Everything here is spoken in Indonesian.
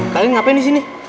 kalian ngapain disini